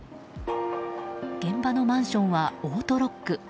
現場のマンションはオートロック。